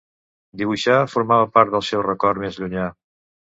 Dibuixar formava part del seu record més llunyà.